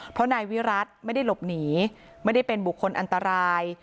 เพราะนายวิรัติไม่ได้หลบหนีไม่ได้เป็นบุคคลอันตราย